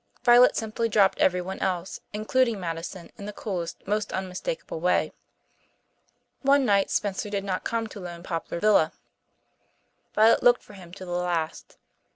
Violet simply dropped everyone else, including Madison, in the coolest, most unmistakable way. One night Spencer did not come to Lone Poplar Villa. Violet looked for him to the last.